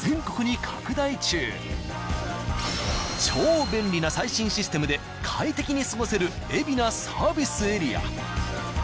超便利な最新システムで快適に過ごせる海老名サービスエリア。